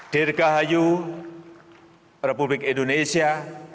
dirgahayu republik indonesia